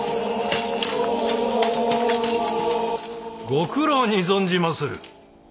ご苦労に存じまする。